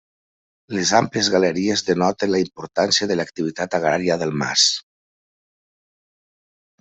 Les àmplies galeries denoten la importància de l'activitat agrària del mas.